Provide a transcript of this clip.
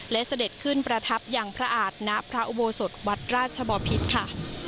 และเสด็จขึ้นประทับอย่างพระอาจนณพระอุโบสถวัดราชบอพิษค่ะ